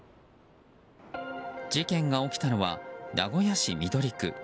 事件が起きたのは名古屋市緑区。